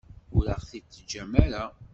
Ur aɣ-t-id-teǧǧam ara.